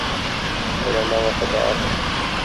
رینا وفادار ہے